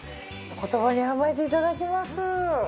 お言葉に甘えていただきます。